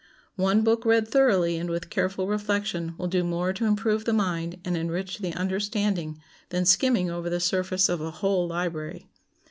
One book read thoroughly and with careful reflection will do more to improve the mind and enrich the understanding than skimming over the surface of a whole library.